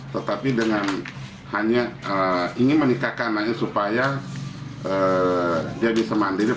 tetapi dengan hanya ingin menikahkan hanya supaya jadi semandiri